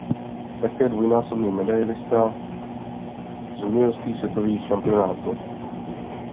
Je také dvojnásobný medailista z juniorských světových šampionátů.